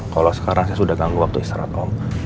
kalau sekarang saya sudah ganggu waktu istirahat om